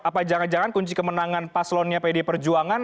apa jangan jangan kunci kemenangan paslonnya pd perjuangan